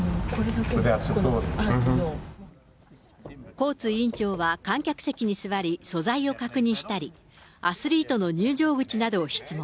コーツ委員長は観客席に座り、素材を確認したり、アスリートの入場口などを質問。